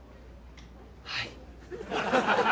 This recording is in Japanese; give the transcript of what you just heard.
はい。